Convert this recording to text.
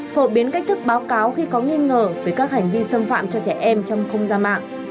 phổ biến cách thức báo cáo khi có nghi ngờ về các hành vi xâm phạm cho trẻ em trong không gian mạng